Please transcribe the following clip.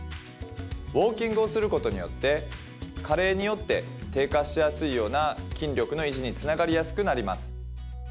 ウォーキングをすることによって加齢によって低下しやすいような筋力の維持につながりやすくなります。